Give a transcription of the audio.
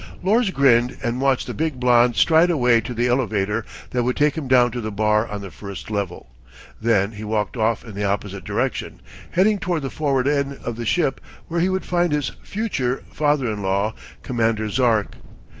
Lors grinned and watched the big blond stride away to the elevator that would take him down to the bar on the first level. Then he walked off in the opposite direction, heading toward the forward end of the ship where he would find his "future" father in law, Commander Zark.